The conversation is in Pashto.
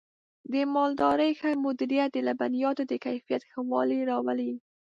د مالدارۍ ښه مدیریت د لبنیاتو د کیفیت ښه والی راولي.